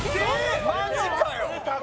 マジかよ！？